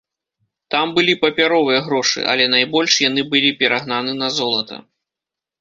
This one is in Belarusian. Там былі папяровыя грошы, але найбольш яны былі перагнаны на золата.